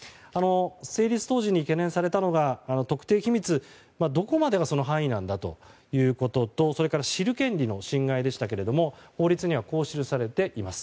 成立当時に懸念されたのが特定秘密とはどこまでがその範囲なのかということとそして知る権利の侵害でしたが法律にはこう記されています。